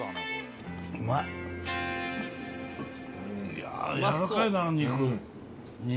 やわらかいな肉。